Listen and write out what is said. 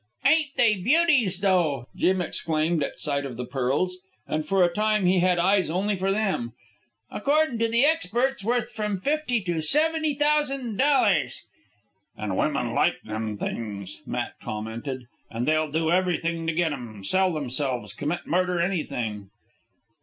"Ain't they beauties, though!" Jim exclaimed at sight of the pearls; and for a time he had eyes only for them. "Accordin' to the experts, worth from fifty to seventy thousan' dollars." "An' women like them things," Matt commented. "An' they'll do everything to get 'em sell themselves, commit murder, anything."